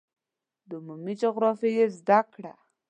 د عمومي جغرافیې زده کړه